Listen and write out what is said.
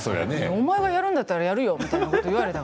お前がやるんだったらやるよって言われて。